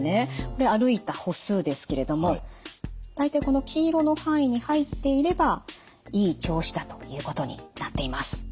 これ歩いた歩数ですけれども大体この黄色の範囲に入っていればいい調子だということになっています。